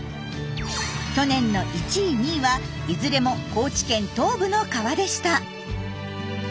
去年の１位２位はいずれも高知県東部の川でした。